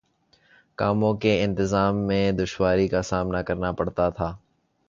کاموں کے انتظام میں دشواری کا سامنا کرنا پڑتا تھا